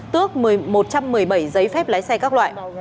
tước một trăm một mươi bảy giấy phép lái xe các loại